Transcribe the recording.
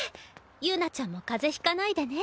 友奈ちゃんも風邪ひかないでね。